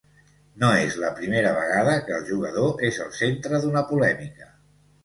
No és la primera vegada que el jugador és el centre d’una polèmica.